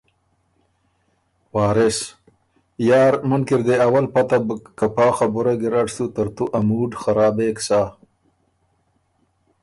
وارث: ”یار مُنکی ر دې اول پته بُک که پا خبُره ګیرډ سُو ترتُو ا موډ خرابېک سَۀ“